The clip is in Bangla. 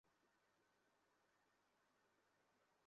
আরে তুই তো রাগ করে ফেললি, আমার জান?